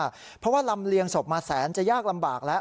เพราะว่าลำเลียงศพมาแสนจะยากลำบากแล้ว